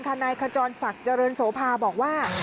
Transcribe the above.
นายขจรศักดิ์เจริญโสภาบอกว่า